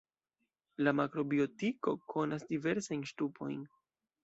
La makrobiotiko konas diversajn ŝtupojn.